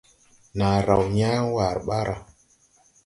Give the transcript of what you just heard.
Naa raw yãã waare ɓaara.